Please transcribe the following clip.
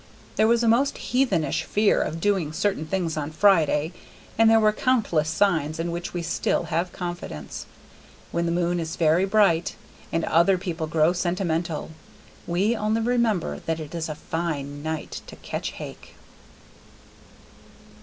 There was a most heathenish fear of doing certain things on Friday, and there were countless signs in which we still have confidence. When the moon is very bright and other people grow sentimental, we only remember that it is a fine night to catch hake.